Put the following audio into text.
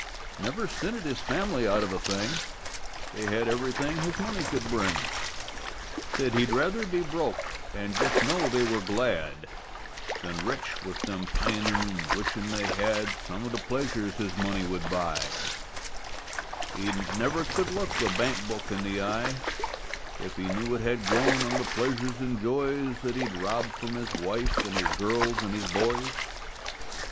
Never stinted his family out of a thing: They had everything that his money could bring; Said he'd rather be broke and just know they were glad, Than rich, with them pining an' wishing they had Some of the pleasures his money would buy; Said he never could look a bank book in the eye If he knew it had grown on the pleasures and joys That he'd robbed from his wife and his girls and his boys.